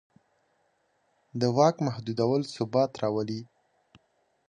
د واک محدودول ثبات راولي